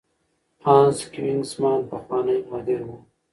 هانس کوېنیګزمان پخوانی مدیر و.